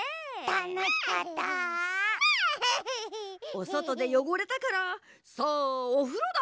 おそとでよごれたからさあおふろだ！